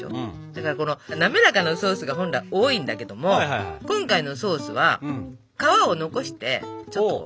だから滑らかなソースが本来多いんだけども今回のソースは皮を残してちょっと違った感じになるっていう。